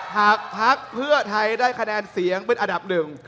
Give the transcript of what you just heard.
พักเพื่อไทยได้คะแนนเสียงเป็นอันดับหนึ่ง